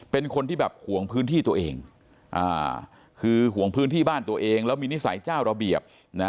เป็นคนที่แบบห่วงพื้นที่ตัวเองคือห่วงพื้นที่บ้านตัวเองแล้วมีนิสัยเจ้าระเบียบนะ